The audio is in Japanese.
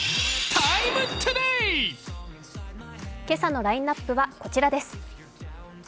今朝のラインナップはこちらです。